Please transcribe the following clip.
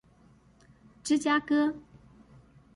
芝加哥